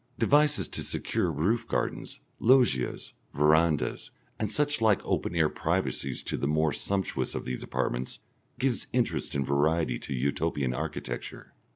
Devices to secure roof gardens, loggias, verandahs, and such like open air privacies to the more sumptuous of these apartments, give interest and variety to Utopian architecture.